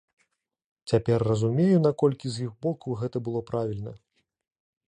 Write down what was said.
Цяпер разумею, наколькі з іх боку гэта было правільна.